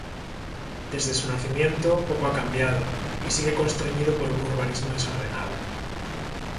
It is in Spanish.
Desde su nacimiento, poco ha cambiado, y sigue constreñido por un urbanismo desordenado.